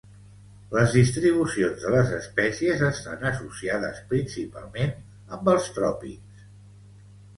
Les distribucions de les espècies estan associades principalment amb els tròpics.